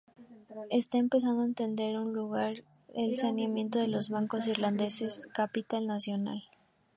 Está empezando a tener lugar el saneamiento de los bancos irlandeses de capital nacional.